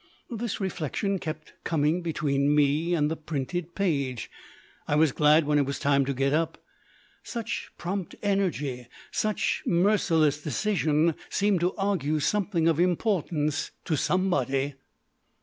This reflection kept coming between me and the printed page. I was glad when it was time to get up. Such prompt energy, such merciless decision, seemed to argue something of importance to somebody.